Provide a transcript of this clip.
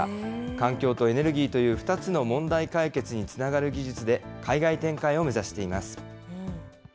環境とエネルギーという２つの問題解決につながる技術で、海外展開を目指しています。